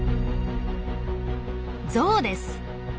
ゾウです。